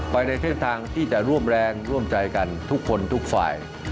ในเส้นทางที่จะร่วมแรงร่วมใจกันทุกคนทุกฝ่าย